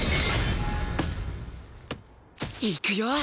いくよ！